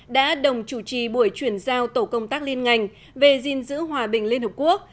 đã đồng chủ trì buổi chuyển giao tổ công tác liên ngành về gìn giữ hòa bình liên hợp quốc